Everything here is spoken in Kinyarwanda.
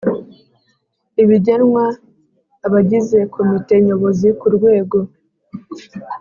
Ibigenerwa abagize Komite Nyobozi ku rwego